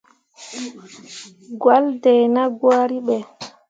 Gwahlle dai nah gwari ɓe.